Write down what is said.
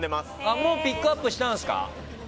もうピックアップしたんですか。